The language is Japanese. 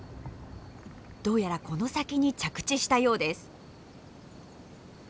どうやらこの先に着地したようです。